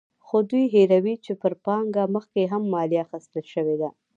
خو دوی هېروي چې پر پانګه مخکې هم مالیه اخیستل شوې ده.